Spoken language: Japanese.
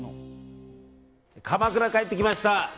鎌倉、帰ってきました。